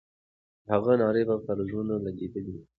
د هغې ناره به پر زړونو لګېدلې وه.